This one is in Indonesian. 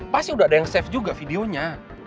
pasti udah ada yang safe juga videonya